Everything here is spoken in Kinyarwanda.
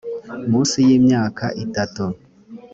munsi y imyaka itatu